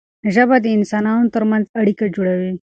ژبه د انسانانو ترمنځ اړیکه جوړوي.